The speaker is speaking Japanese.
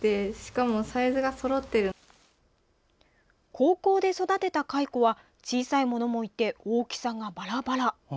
高校で育てた蚕は小さいものもいて大きさがバラバラ。